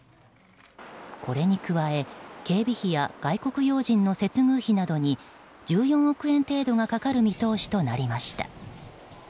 これに加え警備費や外国要人の接遇費などに１４億円程度がかかる見通しとなりました。